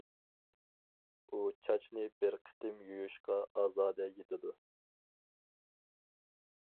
ئۇ چاچنى بىر قېتىم يۇيۇشقا ئازادە يېتىدۇ.